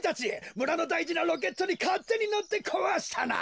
むらのだいじなロケットにかってにのってこわしたな！